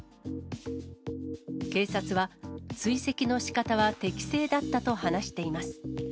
警察は、追跡のしかたは適正だったと話しています。